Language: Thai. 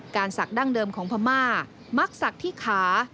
ศักดั้งเดิมของพม่ามักศักดิ์ที่ขา